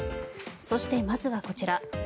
そして、まずはこちら。